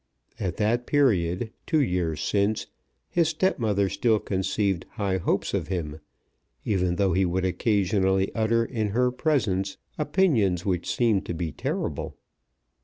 At that period, two years since, his stepmother still conceived high hopes of him, even though he would occasionally utter in her presence opinions which seemed to be terrible.